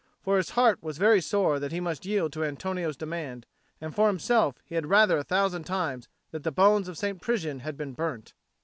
For his heart was very sore that he must yield to Antonio's demand, and for himself he had rather a thousand times that the bones of St. Prisian had been burnt.